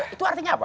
itu artinya apa